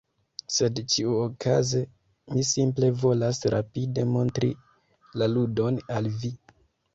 Sed ĉiuokaze mi simple volas rapide montri la ludon al vi